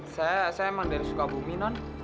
saya emang dari sukabumi non